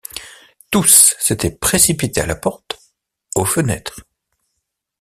Tous s’étaient précipités à la porte, aux fenêtres.